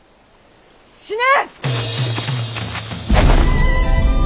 死ね！